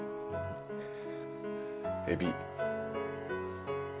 エビ。